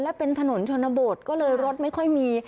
และเป็นถนนชนบทก็เลยรถไม่ค่อยมี